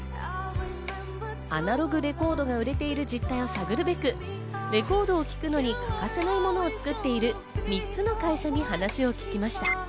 アナログレコードが売れている実態を探るべく、レコードを聴くのに欠かせないものを作っている３つの会社に話を聞きました。